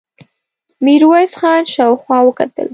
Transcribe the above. ميرويس خان شاوخوا وکتل.